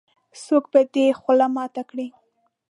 -څوک به دې خوله ماته کړې.